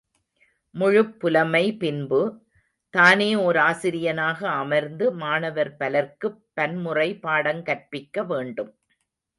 முழுப் புலமை பின்பு, தானே ஓர் ஆசிரியனாக அமர்ந்து மாணவர் பலர்க்குப் பன்முறை பாடங் கற்பிக்க வேண்டும்.